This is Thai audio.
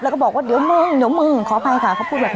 แล้วก็บอกว่าเดี๋ยวมึงขออภัยค่ะเขาพูดแบบนี้